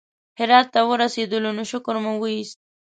هرات ته ورسېدلو نو شکر مو وایست.